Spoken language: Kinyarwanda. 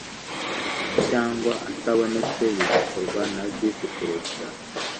cyangwa atabonetse bigakorwa na VisiPerezida